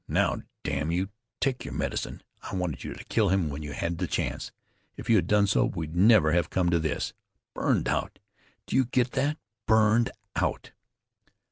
Now, damn you! take your medicine! I wanted you to kill him when you had the chance. If you had done so we'd never have come to this. Burned out, do you get that? Burned out!"